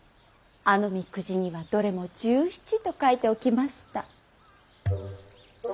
あの御籤にはどれも拾七と書いておきました。